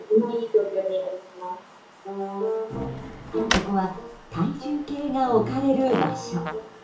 ここは体重計が置かれる場所。